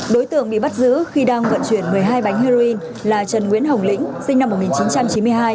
đối tượng bị bắt giữ khi đang vận chuyển một mươi hai bánh heroin là trần nguyễn hồng lĩnh sinh năm một nghìn chín trăm chín mươi hai